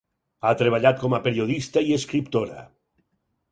Ha treballat com a periodista i escriptora.